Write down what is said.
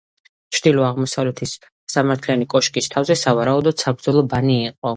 ჩრდილო-აღმოსავლეთის სამსართულიანი კოშკის თავზე, სავარაუდოდ, საბრძოლო ბანი იყო.